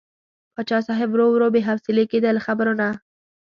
پاچا صاحب ورو ورو بې حوصلې کېده له خبرو نه.